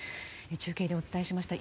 中継でお伝えしました。